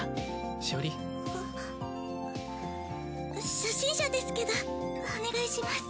初心者ですけどお願いします。